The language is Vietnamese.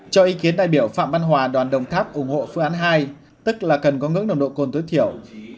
cho ý kiến đại biểu phạm văn hòa đoàn đồng tháp ủng hộ phương án hai tức là cần có ngưỡng nồng độ cồn tối thiểu